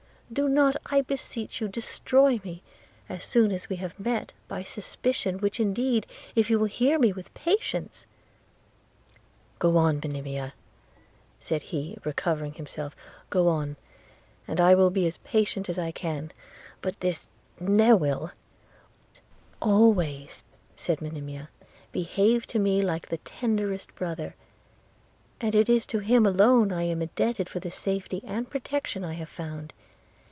Do not, I beseech you, destroy me as soon as we have met, by suspicion, which indeed, if you will hear me with patience ...' 'Go on, Monimia,' said he, recovering himself – 'go on, and I will be as patient as I can – but this Newill' – 'Always,' said Monimia, 'behaved to me like the tenderest brother, and it is to him alone I am indebted for the safety and protection I have found.